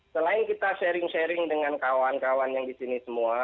selain kita sharing sharing dengan kawan kawan yang di sini semua